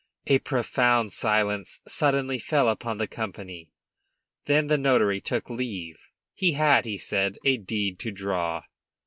A profound silence suddenly fell upon the company. Then the notary took leave. He had, he said, a deed to draw.